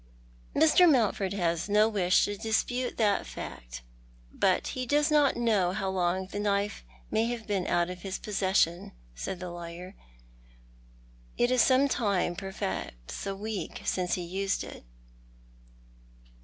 " Mr. Mouutford has no wish to dispute that fact, but he does not know how long the knife may have been out of liis posses sion," said the lawyer. " It is some time, perhaps a week, since he used it."